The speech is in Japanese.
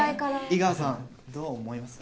井川さんどう思います？